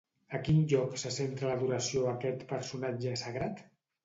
A quin lloc se centra l'adoració a aquest personatge sagrat?